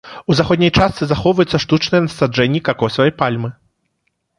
У заходняй частцы захоўваюцца штучныя насаджэнні какосавай пальмы.